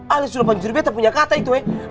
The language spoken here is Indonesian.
ali sudah pancurin beta punya kata itu eh